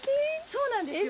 そうなんですよ。